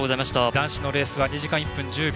男子のレースは２時間１分１０秒。